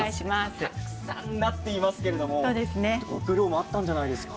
たくさんなっていますけれどもご苦労もあったんじゃないですか。